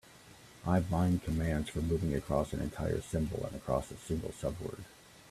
I bind commands for moving across an entire symbol and across a single subword.